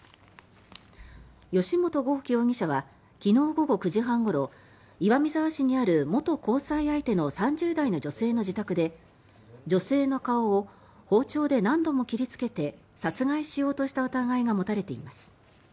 吉元剛貴容疑者は昨日午後９時半ごろ岩見沢市にある元交際相手の３０代の女性の自宅で女性の顔を包丁で何度も切りつけて殺害しようとした疑いが持たれています。